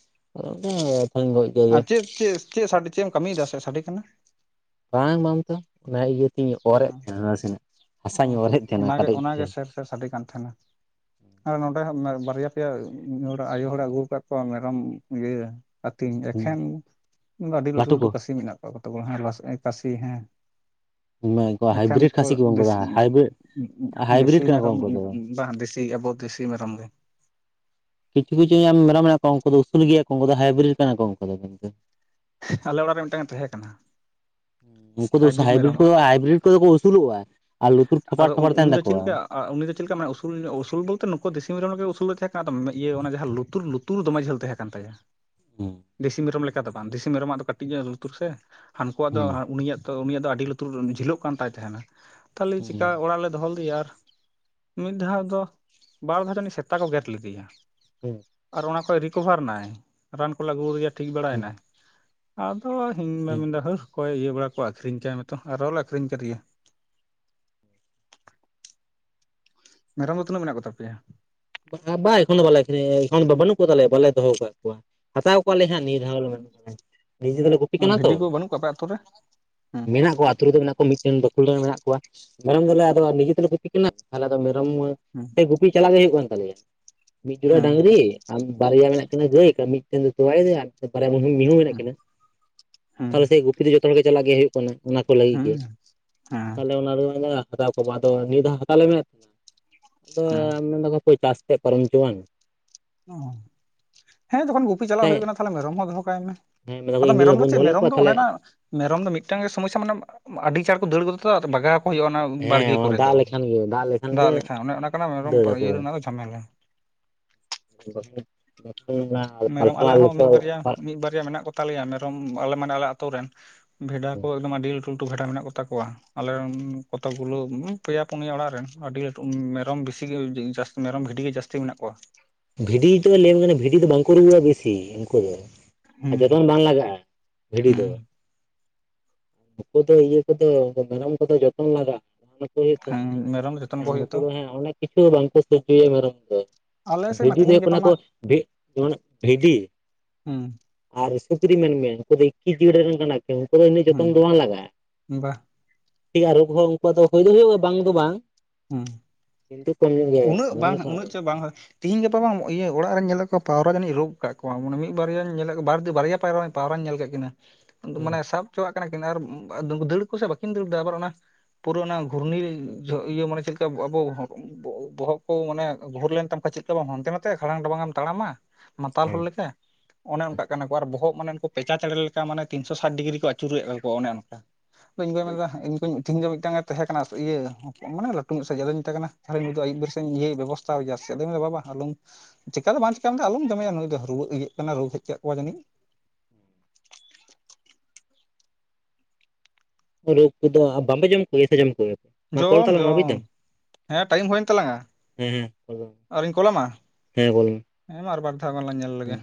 ᱛᱟᱦᱚᱞᱮ ᱜᱚᱡ ᱠᱟᱭ ᱜᱮᱭᱟ ᱟᱨ ᱪᱮᱫ ᱪᱮᱫ ᱪᱮᱫ ᱪᱮᱫ ᱮᱢ ᱠᱟᱹᱢᱤᱭᱮᱫᱟ ᱥᱮ ᱥᱟᱰᱮ ᱠᱟᱱᱟ ᱵᱟᱝ ᱵᱟᱝ ᱛᱚ ᱚᱱᱟ ᱤᱭᱟᱹ ᱛᱤᱧ ᱚᱨ ᱮᱫ ᱛᱟᱦᱮᱱᱟ ᱱᱟᱥᱮᱱᱟᱜ ᱚ ᱦᱟᱥᱟᱧ ᱚᱨ ᱮᱫ ᱛᱟᱦᱮᱱᱟ ᱚᱱᱟᱜᱮ ᱠᱟᱰᱮᱡ ᱛᱮ ᱚᱱᱟᱜᱮ ᱥᱮᱨ ᱥᱟᱰᱮ ᱠᱟᱱ ᱛᱟᱦᱮᱱᱟ ᱟᱨ ᱱᱚᱸᱰᱮ ᱦᱚᱸ ᱵᱟᱨᱭᱟ ᱯᱮᱭᱟ ᱢᱤᱫ ᱦᱚᱲᱟᱜ ᱟᱭᱩ ᱦᱚᱲᱮ ᱟᱹᱜᱩ ᱟᱠᱟᱫ ᱠᱚᱣᱟ ᱢᱮᱨᱚᱢ ᱤᱭᱟᱹ ᱟᱹᱛᱤᱧ ᱮᱠᱷᱮᱱ ᱟᱹᱰᱤ ᱞᱟᱹᱴᱩ ᱞᱟᱹᱴᱩ ᱠᱟᱥᱤ ᱢᱮᱱᱟᱜ ᱠᱚᱛᱟᱡᱚᱣᱟ ᱦᱮᱸ ᱠᱟᱥᱤ ᱦᱮᱸ ᱠᱩ ᱮᱠᱷᱮᱱ ᱦᱟᱭᱵᱨᱤᱰ ᱠᱷᱟᱹᱥᱤ ᱠᱚ ᱩᱱᱠᱩ ᱫᱚ ᱫᱮᱥᱤ ᱦᱟᱭᱵᱨᱤᱰ ᱦᱟᱭᱵᱨᱤᱰ ᱫᱮᱥᱤ ᱠᱟᱱᱟ ᱠᱚ ᱢᱮᱨᱚᱢ ᱩᱱᱠᱩ ᱫᱚ ᱵᱟᱝ ᱫᱮᱥᱤ ᱟᱵᱚ ᱫᱮᱥᱤ ᱢᱮᱨᱚᱢ ᱜᱮ ᱠᱤᱪᱷᱩ ᱠᱤᱪᱷᱩ ᱢᱮᱨᱚᱢ ᱢᱮᱱᱟᱜ ᱠᱚ ᱩᱱᱠᱩ ᱫᱚ ᱩᱥᱩᱞ ᱜᱮᱭᱟ ᱠᱚ ᱩᱱᱠᱩ ᱫᱚ ᱦᱟᱭᱵᱨᱤᱰ ᱠᱟᱱᱟ ᱠᱚ ᱩᱱᱠᱩ ᱫᱚ ᱠᱤᱱᱛᱩ ᱟᱞᱮ ᱚᱲᱟᱜ ᱨᱮ ᱢᱤᱫᱴᱟᱝ ᱛᱟᱦᱮᱸ ᱠᱟᱱᱟ ᱩᱱᱠᱩ ᱫᱚ ᱦᱟᱭᱵᱨᱤᱰ ᱠᱚᱫᱚ ᱦᱟᱭᱵᱨᱤᱰ ᱠᱚᱫᱚ ᱠᱚ ᱩᱥᱩᱞᱚᱜᱼᱟ ᱟᱨ ᱞᱩᱛᱩᱨ ᱛᱷᱟᱯᱟᱲ ᱛᱷᱟᱯᱟᱲ ᱛᱟᱦᱮᱱ ᱛᱟᱠᱚᱣᱟ ᱟᱨ ᱩᱱᱤ ᱫᱚ ᱪᱮᱫ ᱞᱮᱠᱟ ᱢᱟᱱᱮ ᱩᱥᱩᱞ ᱩᱥᱩᱞ ᱵᱚᱞᱛᱮ ᱱᱩᱠᱩ ᱫᱤᱥᱚᱢ ᱢᱮᱨᱚᱢ ᱞᱮᱠᱟ ᱩᱥᱩᱞᱮ ᱛᱟᱦᱮᱸ ᱠᱟᱱᱟ ᱤᱭᱟᱹ ᱚᱱᱟ ᱡᱟᱦᱟᱸ ᱞᱩᱛᱩᱨ ᱞᱩᱛᱩᱨ ᱞᱩᱛᱩᱨ ᱫᱚᱢᱮ ᱡᱷᱟᱹᱞ ᱛᱟᱦᱮᱸ ᱠᱟᱱ ᱛᱟᱭᱟ ᱦᱩᱸ ᱫᱮᱥᱤ ᱢᱮᱨᱚᱢ ᱞᱮᱠᱟ ᱫᱚ ᱵᱟᱝ ᱫᱮᱥᱤ ᱢᱮᱨᱚᱢᱟᱜ ᱫᱚ ᱠᱟᱹᱴᱤᱡ ᱧᱚᱜ ᱞᱩᱛᱩᱨ ᱥᱮ ᱦᱟᱹᱱᱠᱩᱣᱟᱜ ᱫᱚ ᱦᱩᱸ ᱩᱱᱤᱭᱟᱜ ᱛᱚ ᱩᱱᱤᱭᱟᱜ ᱫᱚ ᱟᱹᱰᱤ ᱞᱩᱛᱩᱨ ᱡᱷᱤᱞᱟᱹᱜ ᱠᱟᱱ ᱛᱟᱭ ᱛᱟᱦᱮᱱᱟ ᱛᱟᱦᱚᱞᱮ ᱪᱤᱠᱟ ᱦᱩᱸ ᱚᱲᱟᱜ ᱨᱮ ᱞᱮ ᱫᱚᱦᱚ ᱞᱮᱫᱮᱭᱟ ᱟᱨ ᱢᱤᱫ ᱫᱷᱟᱣ ᱫᱚ ᱵᱟᱨ ᱫᱷᱟᱣ ᱡᱟᱹᱱᱤᱡ ᱥᱮᱛᱟ ᱠᱚ ᱜᱮᱨ ᱞᱮᱫᱮᱭᱟ *inaudible* ᱟᱨ ᱚᱱᱟ ᱠᱷᱚᱡ ᱨᱤᱠᱳᱵᱷᱟᱨ ᱱᱟᱭ ᱨᱟᱱ ᱠᱚᱞᱮ ᱟᱹᱜᱩᱫᱮᱭᱟ ᱴᱷᱤᱠ ᱦᱩᱸ ᱵᱟᱲᱟᱭᱮᱱᱟᱭ ᱟᱫᱚ ᱤᱧ ᱵᱟ ᱢᱮᱱᱫᱟ ᱦᱟᱹᱨ ᱚᱠᱚᱭ ᱤᱭᱟᱹ ᱵᱟᱲᱟ ᱠᱚᱣᱟ ᱟᱠᱷᱨᱤᱧ ᱠᱟᱭ ᱢᱮᱛᱚ ᱟᱨᱚᱞᱮ ᱟᱹᱠᱷᱨᱤᱧ ᱠᱟᱫᱮᱭᱟ ᱢᱮᱨᱚᱢ ᱫᱚ ᱛᱤᱱᱟᱹᱜ ᱢᱮᱱᱟᱜ ᱠᱚᱛᱟ ᱯᱮᱭᱟ ᱵᱟ ᱮᱠᱷᱚᱱ ᱫᱚ ᱵᱟᱞᱮ ᱟᱠᱷᱨᱤᱧ ᱮ ᱵᱟᱹᱱᱩᱜ ᱠᱚᱛᱟᱞᱮᱭᱟ ᱵᱟᱞᱮ ᱫᱚᱦᱚ ᱟᱠᱟᱫ ᱠᱚᱣᱟ ᱦᱟᱛᱟᱣ ᱠᱚᱣᱟᱞᱮ ᱦᱟᱸᱜ ᱱᱤᱛ *unintelligible* ᱱᱤᱡᱮ ᱛᱚᱞᱮ ᱜᱩᱯᱤ ᱠᱟᱱᱟ ᱵᱷᱤᱰᱤ ᱛᱚ ᱠᱚ ᱵᱟᱹᱱᱩᱜ ᱠᱚᱣᱟ ᱟᱯᱮ ᱟᱛᱳ ᱨᱮ ᱦᱩᱸ ᱢᱮᱱᱟᱜ ᱠᱚᱣᱟ ᱟᱛᱳ ᱨᱮᱫᱚ ᱢᱮᱱᱟᱜ ᱠᱚᱣᱟ ᱢᱤᱫᱴᱮᱱ ᱵᱟᱠᱷᱳᱞ ᱨᱮᱱ ᱢᱮᱱᱟᱜ ᱠᱚᱣᱟ ᱢᱮᱨᱚᱢ ᱫᱚᱞᱮ ᱟᱫᱚ ᱱᱤᱡᱮ ᱛᱮᱞᱮ ᱜᱚᱯᱤ ᱠᱟᱱᱟ ᱛᱟᱦᱚᱞᱮ ᱟᱫᱚ ᱢᱮᱨᱚᱢ ᱥᱮ ᱜᱩᱯᱤ ᱪᱟᱞᱟᱜ ᱜᱮ ᱦᱩᱭᱩᱜ ᱠᱟᱱ ᱛᱟᱞᱮᱭᱟ ᱢᱤᱫ ᱡᱚᱲᱟ ᱦᱩᱸ ᱰᱟᱝᱨᱤ ᱵᱟᱨᱭᱟ ᱢᱮᱱᱟᱜ ᱠᱤᱱᱟᱹ ᱜᱟᱹᱭ ᱢᱤᱫᱴᱮᱱ ᱫᱚᱭ ᱛᱚᱣᱟᱭ ᱫᱟ ᱵᱟᱨᱭᱟ ᱢᱤᱦᱩ ᱢᱮᱱᱟᱜ ᱦᱩᱸ ᱠᱤᱱᱟ ᱦᱩᱸ ᱛᱟᱦᱚᱞᱮ ᱥᱮ ᱜᱩᱯᱤ ᱫᱚ ᱡᱚᱛᱚ ᱦᱚᱲ ᱜᱮ ᱪᱟᱞᱟᱜ ᱜᱮ ᱦᱩᱭᱩᱜ ᱠᱟᱱᱟ ᱚᱱᱟ ᱠᱚ ᱞᱟᱹᱜᱤᱫ ᱦᱩᱸ ᱜᱮ ᱦᱩᱸ ᱛᱟᱦᱚᱞᱮ ᱚᱱᱟ ᱫᱚ ᱟᱫᱚ ᱱᱤᱭᱟᱹ ᱫᱷᱟᱣ ᱦᱟᱛᱟᱣ ᱞᱮ ᱢᱮᱱᱮᱫ ᱛᱟᱦᱮᱱᱟ ᱟᱫᱚ ᱦᱮᱸ ᱢᱮᱱ ᱫᱟᱠᱚ ᱦᱟᱯᱟᱹᱭ ᱪᱟᱥ ᱛᱮᱫ ᱯᱟᱨᱚᱢ ᱦᱚᱪᱚᱣᱟᱱ ᱚᱸ ᱦᱮᱸ ᱡᱚᱠᱷᱚᱱ ᱜᱩᱯᱤ ᱪᱟᱞᱟᱜ ᱥᱮ ᱦᱩᱭᱩᱜ ᱠᱟᱱᱟ ᱛᱟᱦᱞᱮ ᱢᱮᱨᱚᱢ ᱦᱚᱸ ᱫᱚᱦᱚ ᱠᱟᱭ ᱢᱮ ᱦᱮᱸ ᱢᱮᱱ ᱫᱟᱠᱚ ᱟᱫᱚ ᱤᱧ ᱫᱤᱱ ᱢᱮᱨᱚᱢ ᱫᱚ ᱵᱟᱵᱚᱱ ᱪᱮᱫ ᱫᱚᱦᱚ ᱞᱮᱫ ᱢᱮᱨᱚᱢ ᱠᱚᱣᱟ ᱫᱚ ᱚᱱᱮ ᱛᱟᱦᱚᱞᱮ ᱚᱱᱟ ᱢᱮᱨᱚᱢ ᱫᱚ ᱢᱤᱫᱴᱟᱝ ᱜᱮ ᱥᱚᱢᱚᱥᱥᱟ ᱢᱟᱱᱮ ᱟᱹᱰᱤ ᱪᱟᱬ ᱠᱚ ᱫᱟᱹᱲ ᱜᱚᱫᱟ ᱛᱚ ᱟᱫᱚ ᱵᱟᱜᱟᱣ ᱟᱠᱚ ᱦᱩᱭᱩᱜᱼᱟ ᱚᱱᱟ ᱦᱮᱸ ᱵᱟᱲᱜᱮ ᱚᱱᱟ ᱠᱚᱨᱮ ᱫᱚ ᱫᱟᱜ ᱞᱮᱠᱷᱟᱱ ᱜᱮ ᱜᱮ ᱫᱟᱜ ᱞᱮᱠᱷᱟᱱ ᱚᱱᱮ ᱚᱱᱟ ᱠᱟᱱᱟ ᱢᱮᱨᱚᱢ ᱫᱟᱹᱲ ᱟᱠᱚ ᱤᱭᱟᱹ ᱨᱮᱱᱟᱜ ᱫᱚ ᱡᱷᱟᱢᱮᱞᱟ *unintelligible* ᱢᱮᱨᱚᱢ ᱟᱞᱮ ᱦᱚᱸ ᱢᱤᱫ ᱵᱟᱨᱭᱟ ᱢᱤᱫ ᱵᱟᱨᱭᱟ ᱢᱮᱱᱟᱜ ᱠᱚ ᱛᱟᱞᱮᱭᱟ ᱢᱮᱨᱚᱢ ᱟᱞᱮ ᱢᱟᱱᱮ ᱟᱞᱮ ᱟᱛᱩ ᱨᱮᱱ ᱵᱷᱮᱰᱟ ᱠᱚ ᱟᱹᱰᱤ ᱞᱟᱹᱴᱩ ᱞᱟᱹᱴᱩ ᱵᱷᱮᱰᱟ ᱢᱮᱱᱟᱜ ᱠᱚᱛᱟ ᱠᱚᱣᱟ ᱟᱞᱮ ᱨᱮᱱ ᱠᱚᱛᱚ ᱜᱩᱞᱟᱹ ᱯᱮᱭᱟ ᱯᱩᱱᱭᱟ ᱚᱲᱟᱜ ᱨᱮᱱ ᱟᱹᱰᱤ ᱞᱟᱹᱴᱩ ᱢᱮᱨᱚᱢ ᱵᱮᱥᱤ ᱢᱮᱨᱚᱢ ᱵᱷᱤᱰᱤ ᱜᱮ ᱡᱟᱹᱥᱛᱤ ᱢᱮᱱᱟᱜ ᱠᱚᱣᱟ ᱵᱷᱤᱰᱤ ᱫᱚ ᱞᱟᱹᱭᱟᱢ ᱠᱟᱱᱟ ᱵᱷᱤᱰᱤ ᱫᱚ ᱵᱟᱝᱠᱚ ᱨᱩᱣᱟᱹᱼᱟ ᱵᱮᱥᱤ ᱩᱱᱠᱩ ᱫᱚ ᱦᱩᱸ ᱡᱚᱛᱚᱱ ᱵᱟᱝ ᱞᱟᱜᱟᱜᱼᱟ ᱵᱷᱤᱰᱤ ᱫᱚ ᱦᱩᱸ ᱱᱩᱠᱩ ᱫᱚ ᱤᱭᱟᱹ ᱠᱚᱫᱚ ᱢᱮᱨᱚᱢ ᱠᱚᱫᱚ ᱡᱚᱛᱚᱱ ᱞᱟᱜᱟᱜᱼᱟ ᱦᱩᱭᱩᱜ ᱦᱮᱸ ᱛᱟᱢᱟ ᱢᱮᱨᱚᱢ ᱡᱚᱛᱚᱱ ᱟᱨ ᱠᱚ ᱦᱩᱭᱩᱜ ᱱᱩᱠᱩ ᱛᱚ ᱫᱚ ᱦᱟᱸᱜ ᱚᱱᱮᱠ ᱠᱤᱪᱷᱩ ᱵᱟᱝᱠᱚ ᱥᱳᱡᱡᱳᱭᱟ ᱢᱮᱨᱚᱢ ᱫᱚ ᱟᱞᱮ ᱥᱮᱫ ᱢᱟ ᱵᱷᱤᱰᱤ ᱫᱚ ᱛᱤᱦᱤᱧ ᱦᱩᱭᱩᱜ ᱜᱟᱯᱟ ᱠᱟᱱᱟ ᱠᱚ ᱢᱟ *unintelligible* ᱵᱷᱤᱰᱤ ᱦᱩᱸ ᱟᱨ ᱥᱩᱠᱨᱤ ᱢᱮᱱᱢᱮ ᱩᱱᱠᱩ ᱫᱚ ᱮᱠᱤ ᱡᱤᱭᱟᱹᱞᱤ ᱨᱮᱱ ᱠᱟᱱᱟ ᱠᱤᱱ ᱩᱱᱠᱩ ᱫᱚ ᱤᱱᱟᱹᱜ ᱡᱚᱛᱚᱱ ᱦᱩᱸ ᱫᱚ ᱵᱟᱝ ᱞᱟᱜᱟᱜᱼᱟ ᱵᱟ ᱴᱷᱤᱠ ᱜᱮᱭᱟ ᱨᱳᱜᱽ ᱦᱚᱸ ᱩᱱᱠᱩᱣᱟᱜ ᱫᱚ ᱦᱳᱭ ᱫᱚ ᱦᱩᱭᱩᱜᱼᱟ ᱵᱟᱝ ᱫᱚ ᱵᱟᱝ ᱦᱩᱸ ᱠᱤᱱᱛᱩ ᱠᱚᱢ ᱧᱚᱜ ᱜᱮ ᱩᱱᱟᱹᱜ ᱢᱮᱨᱚᱢ ᱵᱟᱝ ᱠᱷᱚᱱᱟᱜ ᱩᱱᱟᱹᱜ ᱫᱚ ᱪᱚ ᱵᱟᱝ ᱦᱳ ᱛᱤᱦᱤᱧ ᱜᱟᱯᱟ ᱵᱟᱝ ᱤᱭᱟᱹ ᱚᱲᱟᱜ ᱨᱮᱧ ᱧᱮᱞᱮᱜ ᱠᱚᱣᱟ ᱯᱟᱣᱨᱟ ᱡᱟᱹᱱᱤᱡ ᱨᱳᱜᱽ ᱠᱟᱜ ᱠᱚᱣᱟ ᱢᱟᱱᱮ ᱢᱤᱫ ᱵᱟᱨᱭᱟᱧ ᱧᱮᱞᱮᱫ ᱠᱚ ᱵᱟᱨ ᱵᱟᱨᱭᱟ ᱯᱟᱭᱨᱟᱧ ᱯᱟᱣᱨᱟᱧ ᱧᱮᱞ ᱠᱮᱜ ᱠᱤᱱᱟᱹ ᱢᱟᱱᱮ ᱥᱟᱵ ᱦᱚᱪᱚᱣᱟᱜ ᱠᱟᱱᱟ ᱠᱤᱱ ᱟᱨ ᱫᱟᱹᱲ ᱠᱚᱥᱮ ᱵᱟᱹᱠᱤᱱ ᱫᱟᱹᱲ ᱫᱟ ᱟᱵᱟᱨ ᱚᱱᱟ ᱯᱩᱨᱟᱹ ᱚᱱᱟ ᱜᱷᱩᱨᱱᱤᱨᱮ ᱡᱷᱚ ᱤᱭᱟᱹ ᱢᱟᱱᱮ ᱪᱮᱫ ᱞᱮᱠᱟ ᱟᱵᱚ ᱵᱚ ᱵᱚᱦᱚᱜ ᱠᱚ ᱢᱟᱱᱮ ᱜᱷᱩᱨ ᱞᱮᱱ ᱛᱟᱢ ᱠᱷᱟᱱ ᱪᱮᱫ ᱞᱮᱠᱟ ᱵᱟᱢ ᱦᱟᱱᱛᱮ ᱱᱟᱛᱮ ᱠᱷᱟᱲᱟᱝ ᱴᱟᱵᱟᱝ ᱮᱢ ᱛᱟᱲᱟᱢᱟ ᱢᱟᱛᱟᱞ ᱦᱮᱸ ᱦᱚᱲ ᱞᱮᱠᱟ ᱚᱱᱮ ᱚᱱᱠᱟᱜ ᱠᱟᱱᱟ ᱠᱚ ᱟᱨ ᱵᱚᱦᱚᱜ ᱢᱟᱱᱮ ᱩᱱᱠᱩ ᱯᱮᱸᱪᱟ ᱪᱮᱬᱮ ᱞᱮᱠᱟ ᱢᱟᱱᱮ ᱛᱤᱱ ᱥᱚ ᱥᱟᱴ ᱰᱤᱜᱽᱨᱤ ᱠᱚ ᱟᱪᱩᱨᱮᱫ ᱞᱮᱠᱟ ᱚᱱᱮ ᱚᱱᱠᱟ ᱟᱫᱚ ᱤᱧ ᱜᱚᱭ ᱢᱮᱱ ᱫᱟ ᱤᱧ ᱜᱳᱧ ᱛᱤᱦᱤᱧ ᱫᱚ ᱢᱤᱫ ᱴᱟᱝ ᱮ ᱛᱟᱦᱮᱸ ᱠᱟᱱᱟ ᱤᱭᱟᱹ ᱢᱟᱱᱮ ᱞᱟᱹᱴᱩ ᱧᱚᱜ ᱥᱟᱸᱦᱤᱡ ᱟᱫᱚᱧ ᱢᱮᱛᱟᱭ ᱠᱟᱱᱟ ᱛᱟᱦᱞᱮ ᱱᱩᱭ ᱫᱚ ᱟᱭᱩᱵ ᱵᱤᱨ ᱤᱭᱟᱹ ᱵᱮᱵᱚᱥᱛᱷᱟ ᱜᱮᱭᱟ ᱪᱮᱫ ᱟᱫᱚ ᱢᱮᱱ ᱫᱟ ᱵᱟᱵᱟ ᱟᱞᱚᱢ ᱪᱮᱠᱟ ᱫᱚ ᱵᱟᱝ ᱪᱤᱠᱟ ᱢᱮᱱᱛᱮ ᱟᱞᱚᱢ ᱡᱚᱢᱮᱭᱟ ᱱᱩᱭ ᱫᱚ ᱨᱩᱣᱟᱹᱜ ᱤᱭᱟᱹᱜ ᱠᱟᱱᱟᱭ ᱨᱩᱣᱟᱹ ᱦᱮᱡ ᱠᱟᱜ ᱠᱚᱣᱟ ᱡᱟᱹᱱᱤᱡ ᱨᱳᱜᱽ ᱠᱚᱫᱚ ᱵᱟᱝ ᱯᱮ ᱡᱚᱢ ᱠᱚᱣᱟ ᱥᱮ ᱡᱚᱢ ᱠᱚ ᱜᱮᱭᱟ ᱯᱮ ᱡᱚᱢ ᱡᱚᱢ ᱦᱮᱸ ᱴᱟᱭᱤᱢ ᱦᱩᱭᱮᱱ ᱛᱟᱞᱟᱝᱟ ᱦᱮᱸ ᱦᱮᱸ ᱠᱚᱞ ᱫᱟᱞᱟᱝ ᱢᱮ, ᱟᱨᱩᱧ ᱠᱚᱞ ᱟᱢᱟ ᱦᱮᱸ ᱠᱚᱞ ᱫᱟᱞᱟᱝ ᱢᱮ ᱦᱮᱸ ᱢᱟ ᱟᱨ ᱵᱟᱨ ᱫᱷᱟᱣ ᱜᱟᱱ ᱞᱟᱝ ᱧᱮᱞ ᱦᱩᱸ ᱞᱮᱜᱮ